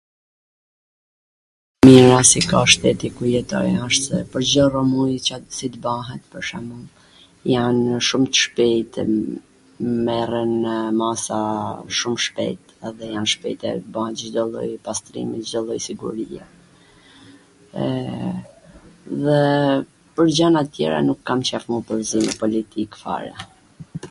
e mira si ka shteti ku jetoj asht se pwr Cdo rrwmuj Ca si t bahet pwr shembull jan shum t shpejt e merrenw masa shum shpejt edhe jan t shpejt e bajn Cdo lloj pastrimi, Cdo lloj sigurie, dhe pwr gjwna tjera nuk kam Ca mu pwrzi me politik fare